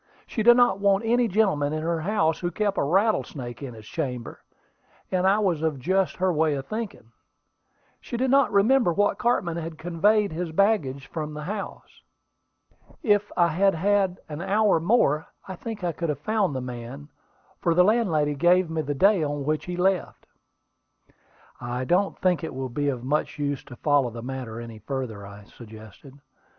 She did not want any gentleman in her house who kept a rattlesnake in his chamber; and I was of just her way of thinking. She did not remember what cartman had conveyed his baggage from the house. If I had had an hour more, I think I could have found the man; for the landlady gave me the day on which he left." "I don't think it will be of much use to follow the matter any further," I suggested.